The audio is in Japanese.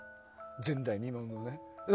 前代未聞のね。